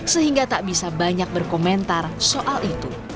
sehingga tak bisa banyak berkomentar soal itu